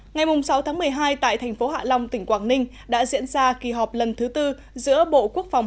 ngày sáu tháng một mươi hai tại thành phố hạ long tỉnh quảng ninh đã diễn ra kỳ họp lần thứ tư giữa bộ quốc phòng